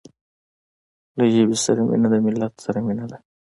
له ژبې سره مینه د ملت سره مینه ده.